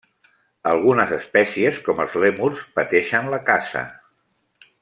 Algunes espècies com els lèmurs pateixen la caça.